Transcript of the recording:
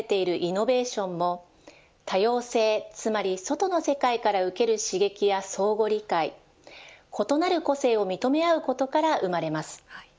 今日本で求められているイノベーションも多様性、つまり外の世界から受ける刺激や相互理解、異なる個性を認め合うことから生まれます。